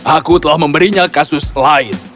aku telah memberinya kasus lain